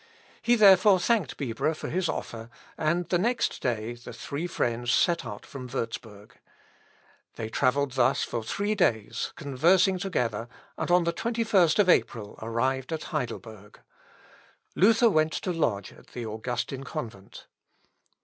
He therefore thanked Bibra for his offer, and next day the three friends set out from Wurzburg. They travelled thus for three days, conversing together, and on the 21st April arrived at Heidelberg. Luther went to lodge at the Augustin convent.